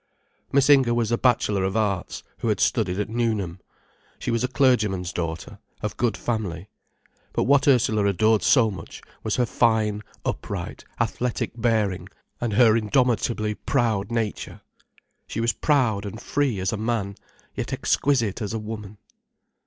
Miss Inger was a Bachelor of Arts, who had studied at Newnham. She was a clergyman's daughter, of good family. But what Ursula adored so much was her fine, upright, athletic bearing, and her indomitably proud nature. She was proud and free as a man, yet exquisite as a woman.